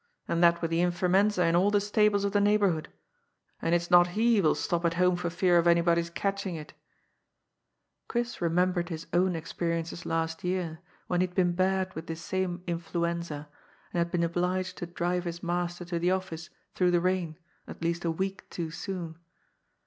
And that with the infirmenza in all the stables of the neighbourhood. And it's not he will stop at home for fear of anybody's catching it" Chris remembered his own experiences last year, when he had been bad with this same influenza, and had been obliged to drive his master to the office through the rain, at least a week too soon.